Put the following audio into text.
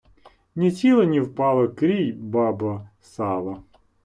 Ні сіло ні впало, крій, бабо, сало!